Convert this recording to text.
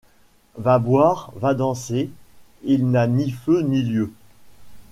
Va boire !— Va danser !— Il n’a ni feu ni lieu !